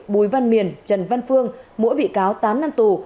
bùi văn miền trần văn phương mỗi bị cáo tám năm tù